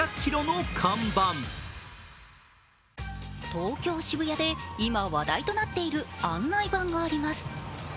東京・渋谷で今話題となっている案内板があります。